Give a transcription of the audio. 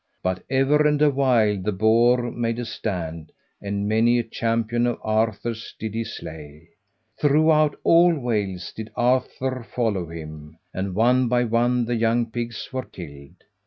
But ever and awhile the boar made a stand, and many a champion of Arthur's did he slay. Throughout all Wales did Arthur follow him, and one by one the young pigs were killed.